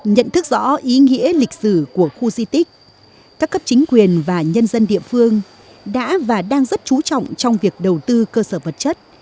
nhận thức rõ ý nghĩa lịch sử của khu di tích các cấp chính quyền và nhân dân địa phương đã và đang rất trú trọng trong việc đầu tư cơ sở vật chất